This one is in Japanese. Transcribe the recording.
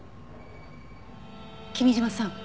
君嶋さん